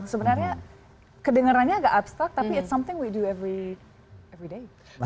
sebenarnya kedengerannya agak abstrak tapi it's something we do every day